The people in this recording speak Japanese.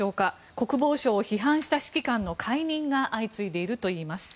国防相を批判した指揮官の解任が相次いでいるといいます。